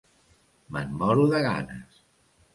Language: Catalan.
Me'n moro de ganes.